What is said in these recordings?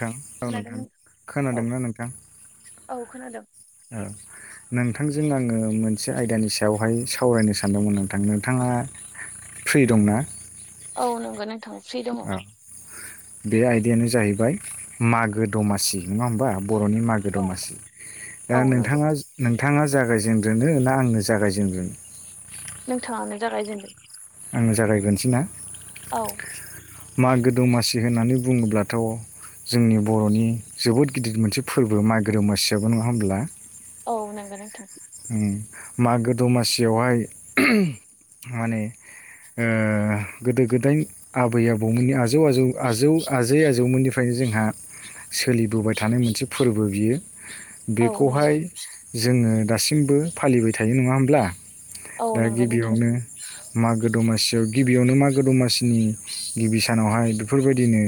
नोंथां औ खोनादों नोंथां नों औ खोनादोंना नोंथां? औ खोनादों। औ नों थांजों आङो मोनसे आयदानि सायावहाय सावरायनो सानदोंमोन नोंथां नोंथाङा फ्रि दंना? औ नंगौ नोंथां फ्रि दङ। औ बे आयदायानो जाहैबाय मागो दमासि नङा होमबा? बर'नि मागो दमासि दा औ नंगौ नोंथाङास नों थाङा जागायजेनग्रोनो ना आंनो जागायजेनग्रोनो? नोंथाङानो जागायजेनदो। आङो जागायग्रोनोसै ना? मागो दमासि होननानै बुङोब्लाथ' जोंनि बर'नि जोबोद गिदिर मोनसे फोरबो मागो दमासियाबो नङा होमब्ला? औ नोंगो नोंथां। उम मागो दमासियावहाय माने ओ गोदो-गोदाय आबै आबौमोननि आजौ - आजौ आजौ - आजै आजौमोननिफ्रायनो जोंहा सोलिबोबाय थानाय मोनसे फोरबो बियो। औ नंगौ बेखौहाय जोङो दासिमबो फालिबाय थायो नङा होमब्ला? औ दा नंगौ नोंथां गिबियावनो मागो दमासियाव गिबियावनो मागो दमासिनि गिबि सानावहाय बेफोरबायदिनो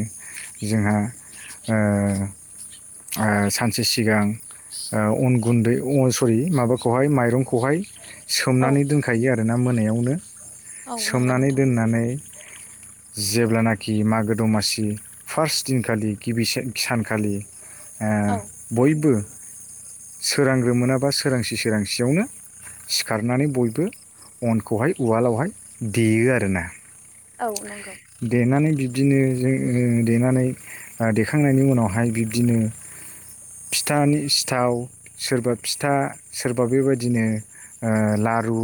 जोंहा ओ - ओ सानसे सिगां ओ अन गुन्दै सरि माबाखौहाय माइरंखौहाय औ सोमनानै दोनखायो आरो ना मोनायावनो औ नंगौ सोमनानै नोंथां दोननानै जेब्लानाखि मागो दमासि फार्स्ट दिनखालि गिबि से सानखालि ओ औ बयबो सोरांग्रोमोनाबा सोरांसि सोरांसियावनो सिखारनानै बयबो अनखौहाय उवालावहाय देयो आरो ना। औ नंगौ। बिब्दिनो जोङो देनानै ओ देखांनायनि उनावहाय बिब्दिनो फिथानि सिथाव सोरबा फिथा सोरबा बेबायदिनो ओ ला लारु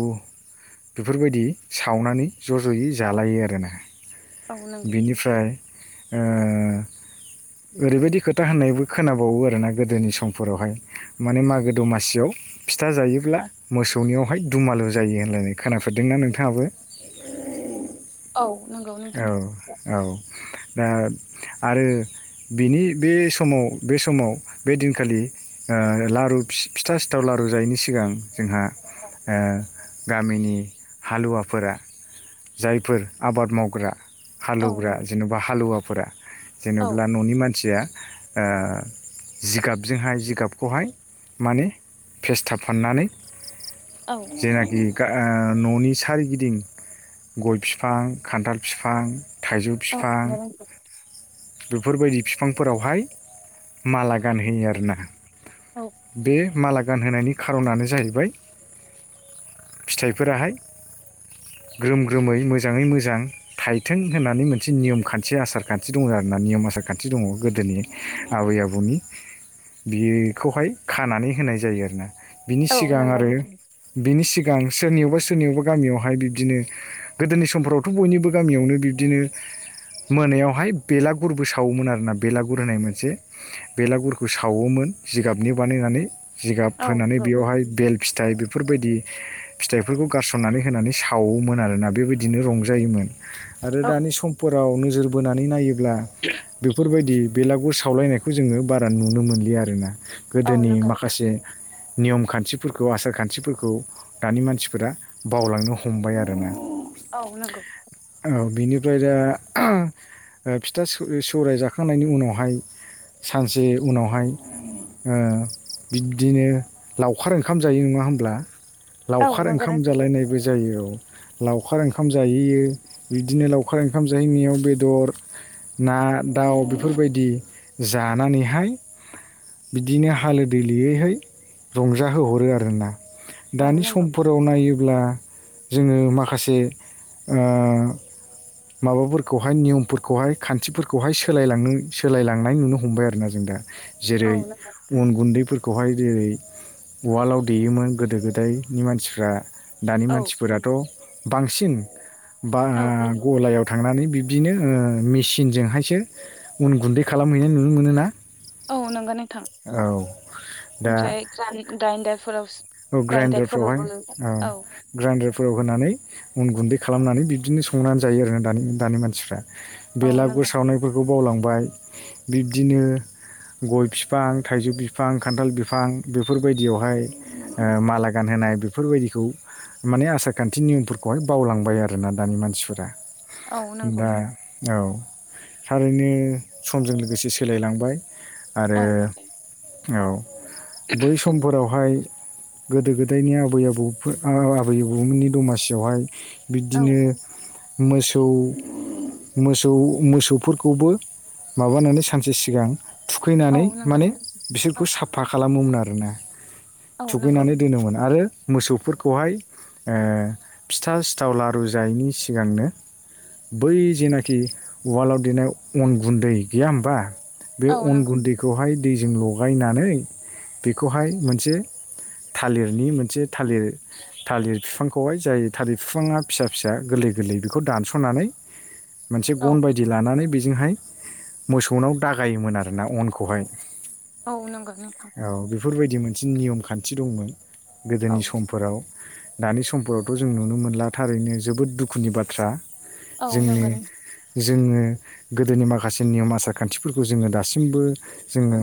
बेफोरबायदि सावनानै ज' ज'यै औ जालायो आरो ना। औ नंगौ बेनिफ्राय ओ ओरैबायदि खोथा होननायबो खोनाबावो आरोना गोदोनि समफोरावहाय माने मागो दमासियाव फिथा जायोब्ला मोसौनियावहाय दुमालु जायो होनलायनाय खोनाफेदोंना नोंथाङाबो? [unintelligible] औ नंगौ नोंथां औ औ दा आरो बिनि बे समाव बे समाव बे दिनखालि ओ लारु फिथा सिथाव लारु रजायैनि सिगां जोंहा गामिनि हालुवाफोरा जायफोर आबाद मावग्रा औ हालेवग्रा नों जेन'बा हालौवाफोरा औ जेनेब्ला न'नि मानसिया जिगाबजोंहाय जिगाबखौहाय माने फेस्थाब फाननानै औ जेनाखि ओ न'नि सारिगिदिं गय बिफां खान्थाल फिफां थाइजौ औ फिफां नंगौ नोंथां बेफोरबायदि बिफांफोरावहाय माला गानहोयो आरोना औ बे माला गानहोनायनि खारनानो जाहैबाय फिथाइफोराहाय ग्रोम रोमै मोजाङै मोजां थायथों होननानै मोनसे नियम खान्थि आसारखान्थि दं आर ना नियम आसार खान्थि दङ गोदोनि आबै आबौनि बेखौहाय खानानै होनाय जायो आरोना बिनि औ सिगां नंगौ आरो नोंथां बिनि सिगां सोरनियावबा सोरनियावबा गामियावहाय बिब्दिनो गोदोनि समफोरावथ' बयनिबो गामियावनो बिब्दिनो मोनायावहाय बेलागुरबो सावोमोन आरोना बेलागुर होननाय मोनसे बेलागुरखौ सावोमोन जिगाबनि बानायनानै जिगाब औ फोनानै नंगौ बेवहाय बेल्ट फिथाइ बेफोरबायदि फिथाइफोरखौ गारसननानै होनानै सावोमोन आरोना बेबायदिनो रंजायोमोन आरो औ दानि समफोराव नोजोर बोनानै नायोब ब्ला बेफोरबायदि बेलागुर सावलायनायखौ जोङो बारा नुनो मोनलि आरोना औ गोदोनि नंगौ नोंथां माखासे नियम खान्थिफोरखौ आसार खान्थिफोरखौ दानि मानसिफोरा बावलांनो हमबाय आरोना औ नंगौ बेनिफ्राय दा फिथा सौराय जाखांनायनि उनावहाय सानसे उनावहाय ओ बिदिनो लावखार ओंखाम जायो नङा होमब्ला औ लावखार नंगौ ओंखाम नोंथां जालायनायबो जायो लावखार लावखार ओंखाम जाहैयो बिदिनो लावखार ओंखाम जाहैनायाव बेदर ना दाउ बेफोरबायदि जानानैहाय बिदिनो हालोदलियैहाय रंजाहोहरो आरोना औ दानि नंगौ समफोराव नायोब्ला जोङो माखासे माखासे माबाफोरखौहाय नियमफोरखौहाय खान्थिफोरखौहाय सोलायलांनो सोलायलांनाय नुनो हमबाय आरोना जों दा औ जेरै नंगौ नोंथां उन गुन्दैफोरखौहाय जेरै उवालाव देयोमोन गोदो गोदायनि मानसिफ्रा दानि औ मानसिफोराथ' बांसिन बा औ नंगौ गलायाव थांनानै बिदिनो मेसिनजोंहायसो उन गुन्दै खालामहैनाय नुनो मोनो ना औ नंगौ नोंथां दा ओमफ्राय दाइदारफोराव ग्राइन्डारफ्रावहाय औ ग्राइन्डारफ्राव होनानै उन गुन्दै खालामनानै बिदिनो संनानै जायो आरो दानि दानि मानसिफ्रा औ बेलागुर नांगोन सावनायफोरखौ बावलांबाय बिब्दिनो गय बिफां थाइजौ बिफां खान्थाल बिफां बेफोरबायदियावहाय माला गानहोनाय बेफोरबायदिखौ माने आसार खान्थि नियमफोरखौहाय बावलांबाय आरोोना दानि मानसिफोरा औ नंगौ दा औ थारैनो समजों लोगोसे सोलायलांबाय आरो औ नांगोन औ बै समफोरावहाय गोदो गोदायनि आबै आबौफोर आबै आबौमोननि दमासियावहाय औ बिदिनो मोसौ मोसौ मोसौफोरखौबो माबानानै सानसे सिगां औ थुखैनानै माने नांगोन बिसोरखौ औ साफा खालामोमोन आरोना। औ नांगौ थुखैनानै दोनोमोन आरो मोसौफोरखौहाय ओ फिथा सिथाव लारु जायैनि सिगांनो बै जेनाखि वालाव देनाय अन गुन्दै गैया होमबा बे औ अन नांगौ गुन्दैखौहाय दैजों लगायनानै बेखौहाय मोनसे थालिरनि मोनसे थालिर थालिर बिफांखौहाय जाय थालिर बिफाङा फिसा फिसा गोरलै गोरलै बेखौ दानसनानै मोनसे औ गन बायदि लानानै बेजोंहाय मोसौनाव दागायोमोन आरोना अनखौहाय औ नंगौ नोंथां औ बेफोरबायदि मोनसे नियम खान्थि दंमोन औ गोदोनि समफोराव। दानि समफोरावथ' जों नुनो मोनला थारैनो जोबोद दुखुनि बाथ्रा औ जोंनि नंगौ नों जोङो गोदोनि माखासे नियम आसार खान्थिफोरखौ जोङो दासिमबो जोङो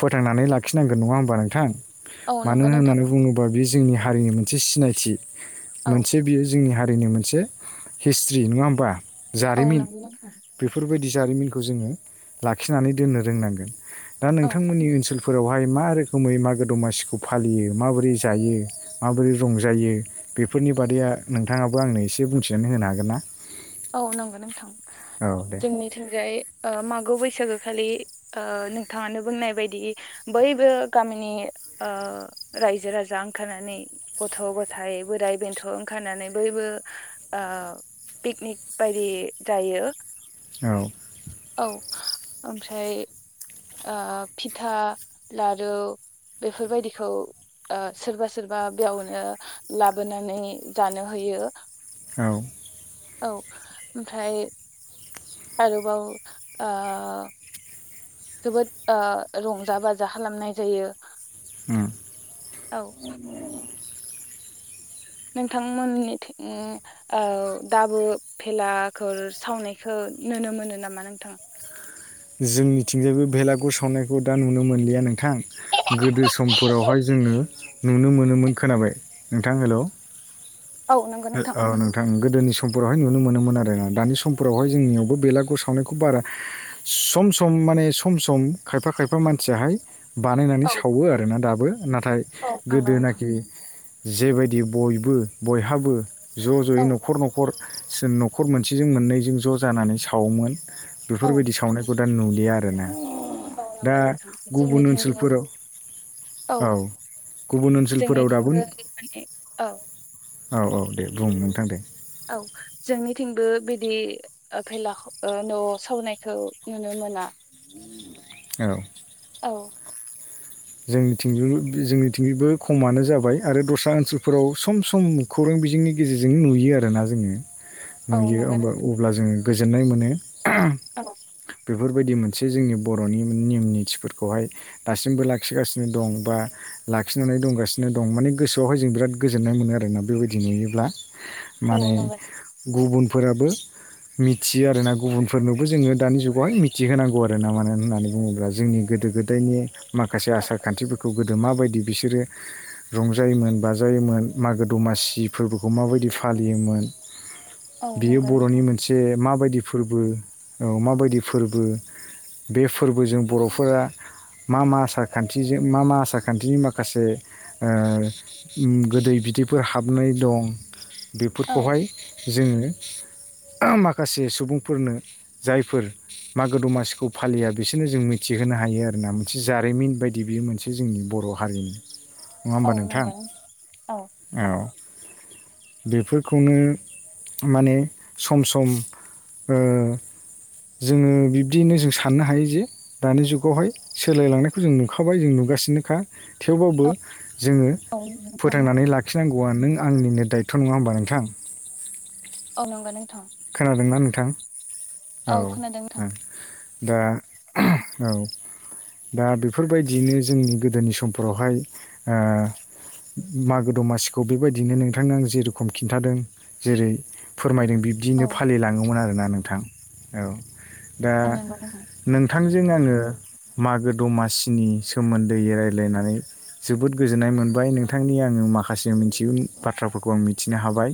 फोथां नानै लाखिनांगोन नङा होमबा नोंथां। औ मानो नंगौ नोंथां होननानै बुङोबा बेयो जोंनि हारिनि मोनसे सिनायथि औ मोनसे बियो जोंनि हारि ओरैनो मोनसे हिस्ट्रि नङा होमबा औ जारिमिन नंगौ नोंथां बेफोरबायदि जारिमिनखौ जोङो लाखिनानै दोननो रोंनांगोन दा औ नोंथांमोननि ओन्सोल फोरावहाय मा रोखोमै मागो दमासिखौ फालियो माबोरै जायो माबोरै रंजायो बेफोरनि बादैया नोंथाङाबो आंनो एसे बुंथिनानै होनो हागोन ना? औ नंगौ नोंथां औ दे जोंनिथिंजाय ओ मागो बैसागो खालि ओ नोंथाङानो बुंनाय बायदि बयबो गामिनि ओ राज्यो राजा ओंखारनानै गथ' गथाय बोराय बेन्थ' ओंखारनानै बयबो ओ ओ पिकनिक बायदि जायो। औ औ ओमफ्राय ओ फिथा, लारु बेफोरबायदिखौ ओ सोरबा सोरबा बेयावनो लाबोनानै जानो होयो। औ औ ओमफ्राय आरोबाव ओ जोबोद ओ रंजा-बाजा खालामनाय जायो। ओम औ नोंथांमोननिथि ओ दाबो भेलाघोर सावनायखो नुनो मोनो नामा नोंथाङ? जोंनिथिंजायबो बेलागुर सावनायखौ दा नुनो मोनलिया नों थां गोदो समफोरावहाय जोंनो नुनो मोनो मोन खोनाबाय नोंथां हेल' औ नंगौ औ नोंथां गोदोनि समफोरावहाय नुनो मोनोमोन आरो ना दानि समफोरावहाय जोंनियावबो बेलागुर सावनायखौ बारा सम सम माने सम सम खायफा खायफा मानसियाहाय बानायनानै औ सावो आरोना दाबो नाथाय औ नंगौ नोंथां। गोदोनाखि जेबायदि बयबो बयहाबो ज' जयै औ नखर नखर नखर मोनसेजों मोननैजों ज' जानानै सावोमोन। औ बेफोरबायदि सावनायखौ दा नुलिया आरोना। औ दा नंगौ नोंथां गुबुन जोंनिथिंबो ओन्सोलफोराव औ गुबुन ओन्सोलफोराव जोंनिथिंबो दाबोन माने औ औ औ दे बुं नोंथां दे औ जोंनिथिंबो बिदि ओ भेलाख ओ न' सावनायखौ नुनो मोना। औ औ जोंनिंथिंबो जोंनिथिंबो खमानो जाबाय आरो दस्रा ओनसोलफोराव सम-सम खौरां बिजोंनि गेजेरजोंनो नुयो आरोना जोङो औ नुयो नंगौ होमबा नोंथां अब्ला जोङो गोजोननाय मोनो औ बेफोरबायदि मोनसे जोंनि बर'नि नियम निथिफोरखौहाय दासिमबो लाख खिगासिनो दं बा लाखिनानै दंगासिनो दं माने गोसोआवहाय जों बिराद गोजोननाय मोनो आरोना बेबायदि नुयोब्ला औ माने नंगौ गुबुनफोराबो मिथियो आरोना गुबुनफोरनोबो जोङो दानि जुगावहाय मिथिहोनांगौ आरोना मानो होननानै बुङोब्ला जोंनि गो दो गोदायनि माखा से आसार खान्थिफोरखौ गोदो माबायदि बिसोरो रंजायोमोन बाजायोमोन मागो दमासि फोरबोखौ माबायदि फालियोमोन औ बियो नंगौ बर'नि नोंथां मोनसे माबायदि फोरबो औ माबायदि फोरबो बे फोरबोजों बर'फोरा मा मा आसा खान्थिजो मा मा आसार खान्थिनि माखासे ओ ओम गोदै बिदैफोर हाबनाय दं औ बेफोरखौहाय जोङो माखासे सुबुंफोरनो जायफोर मागो दमासिखौ फालिया बिसोरनो जों मिथिहोनो हायो आरोना मोनसे जारिमिन बायदि बियो मोनसे जोंनि बर' हारिनि नङा औ होमबा नोंथां नंगौ औ औ बेफोरखौनो माने सम सम ओ जोङो बिब्दियैनो जों साननो हायो जे दानि जुगावहाय सोलायलांनायखौ जों नुखा खाबाय जों नुगासिनोखा थेवबाबो औ जोङो औ नंगौ नोंथां फोथांनानै लाखिनांगौआ नों आंनिनो दायथ' नङा होमबा नोंथां। औ नंगौ नोंथां खोनादोंना नोंथां औ ओ खोनादों नोंथां दा औ दा बेफोरबायदियैनो जोंनि गोदोनि समफोरावहाय ओ मागो दमासिखौ बेबायदिनो नोंथांनो आं जेरखम खिन्थादों जेरै फोरमायदों बिब औ दिनो औ फालिलाङोमोन आरोना नोंथां औ दा औ नंगौ नोंथां। नोंथां जों आङो मागो दमासिनि सोमोन्दै रायलायनानै जोबोद गोजोननाय मोनबाय नोंथांनि आङो माखासे मिनथिगौनि बाथ्राफोरखौ आं मिथिनो हाबाय।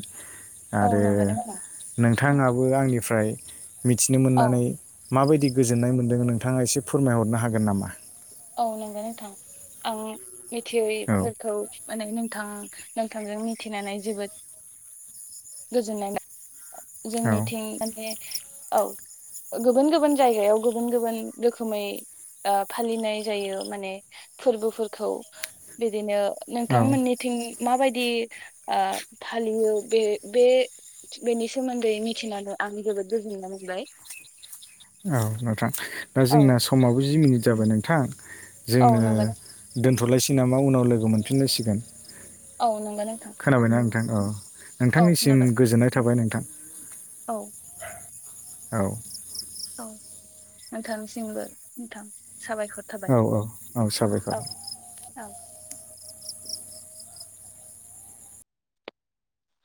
औ आरो नंगौ नोंथां। नोंथाङाबो आंनिफ्राय मिथिनो औ मोननानै माबायदि गोजोन्नाय मोन्दों नोंथाङा एसे फोरमायहरनो हागोन नामा? औ नंगौ नोंथां आं औ मिथियैफोरखौ माने नोंथाङा नोंथांजों मिथिनानै जोबोद गोजोननाय औ जोंनिथिं माने औ गुबुन गुबुन जायगायाव गुबुन गुबुन रोखोमै ओ फालिनाय जायो माने फोरबोफोरखौ बिदिनो औ नोंथांमोननिथिं माबायदि ओ फालियो बे बे बेनि सोमोन्दै मिथिनानै आं जोबोद गोजोननाय मोनबाय। औ नोंथां दा औ जोंना समाबो जि मिनिट जाबाय नोंथां औ जोङो नंगौ दोनथ'लायसै नामा उनाव लोगो मोनफिनलायसिगोन। औ नंगो नोंथां थां अ औ नोंथांनिसिम खोनाबाय गोजोननाय थाबाय नोंथां। औ औ औ नोंथांनिसिमबो नोंथां साबायखर थाबाय औ औ औ साबायखर औ औ